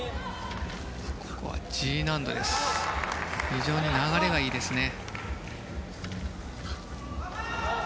非常に流れがいいですね。